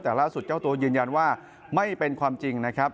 แต่ล่าสุดเจ้าตัวยืนยันว่าไม่เป็นความจริงนะครับ